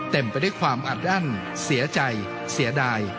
เต็มไปด้วยความอัดอั้นเสียใจเสียดาย